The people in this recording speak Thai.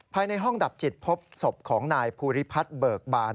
ภายในห้องดับจิตพบศพของนายภูริพัฒน์เบิกบาน